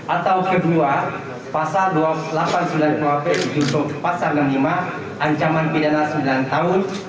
atau kedua pasal dua ratus delapan puluh sembilan kuhp juntuh pasal enam puluh lima ancaman pidana sembilan tahun